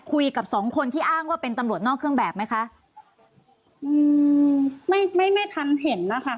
คุยกับสองคนที่อ้างว่าเป็นตำรวจนอกเครื่องแบบไหมคะอืมไม่ไม่ไม่ทันเห็นนะคะ